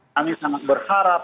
kami sangat berharap